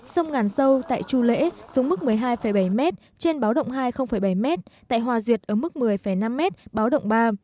sông ngàn sâu tại chu lễ xuống mức một mươi hai bảy m trên báo động hai bảy m tại hòa duyệt ở mức một mươi năm m báo động ba